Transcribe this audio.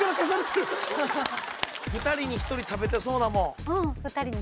「２人に１人食べてそう」